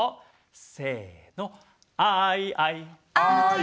せの！